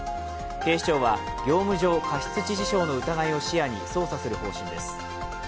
警視庁は業務上過失致死傷の疑いを視野に捜査する方針です。